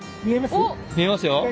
見えますよ。